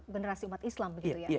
generasi umat islam